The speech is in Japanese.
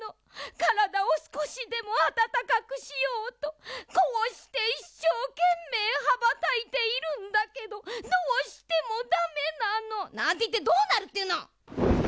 からだをすこしでもあたたかくしようとこうしていっしょうけんめいはばたいているんだけどどうしてもダメなの」なんていってどうなるっていうの！